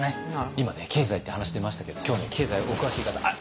今ね経済って話出ましたけど今日ね経済お詳しい方あっ！